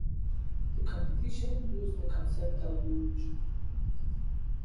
The competition used the concept of 'rouges'.